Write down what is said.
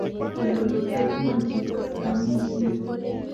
Mwaat kele koteb ngweny chito yoomisie